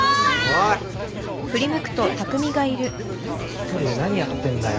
１人で何やってんだよ。